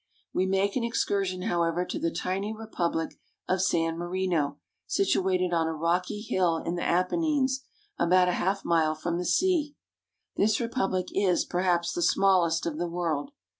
We make an excur sion, however, to the tiny republic of San Marino, situated on a rocky hill in the Apennines, about a half mile from the sea. This republic is, perhaps, the smallest of the world.